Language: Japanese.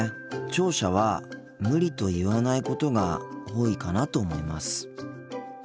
聴者は「無理」と言わないことが多いかなと思います。